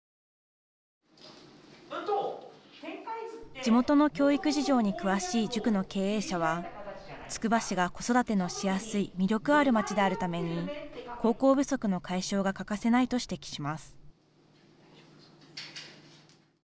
地元の教育事情に詳しい塾の経営者は、つくば市が子育てのしやすい魅力ある街であるために高校不足の解消が欠かせないと指摘します。